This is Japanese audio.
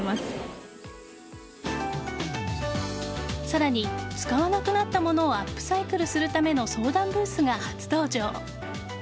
さらに使わなくなったものをアップサイクルするための相談ブースが初登場。